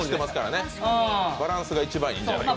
バランスが一番いいんじゃないかと。